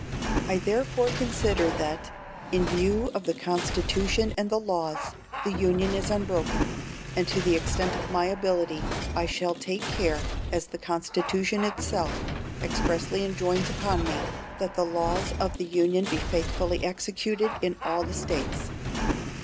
"I therefore consider that, in view of the Constitution and the laws, the Union is unbroken; and to the extent of my ability, I shall take care, as the Constitution itself expressly enjoins upon me, that the laws of the Union be faithfully executed in all the States.